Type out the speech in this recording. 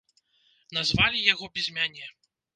Назвалі яго без мяне.